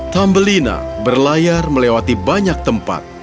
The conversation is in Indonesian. tambelina berlayar melewati banyak tempat